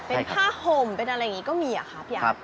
เป็นผ้าโหมเป็นอะไรอย่างนี้ก็มีอ่ะครับ